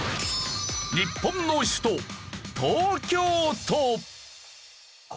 日本の首都東京都！